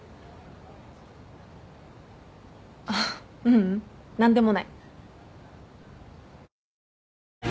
あっううん何でもない。